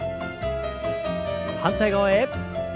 反対側へ。